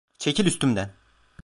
Çekil üstümden!